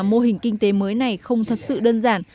mô hình kinh tế mới này không thật sự đơn giản